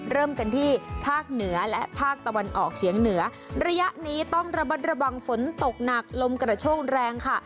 เริ่มกันที่ภาคเหนือและภาคตะวันออกเฉียงเหนือระยะนี้ต้องระบัดระวังฝนตกหนักลมกระโชกแรงค่ะ